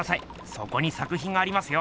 そこに作品がありますよ。